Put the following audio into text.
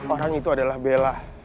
orang itu adalah bella